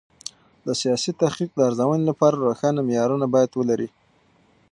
د ساینسي تحقیق د ارزونې لپاره روښانه معیارونه باید ولري.